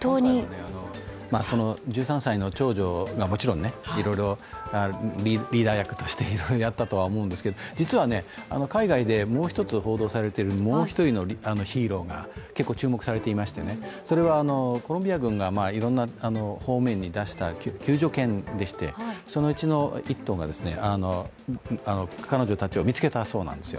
１３歳の長女がもちろんいろいろリーダー役としていろいろやったとは思うんですが、実は実は、海外でもう一つ報道されているもう１人のヒーローが報道されてましてそれはコロンビア軍がいろんな方面に出した救助犬でしてそのうちの１頭が、彼女たちを見つけたそうなんです。